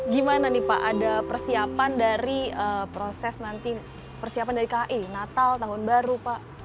gimana nih pak ada persiapan dari proses nanti persiapan dari kai natal tahun baru pak